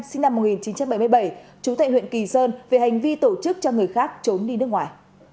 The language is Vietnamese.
sinh năm một nghìn chín trăm bảy mươi bảy chú tại huyện kỳ sơn về hành vi tổ chức cho người khác trốn đi nước ngoài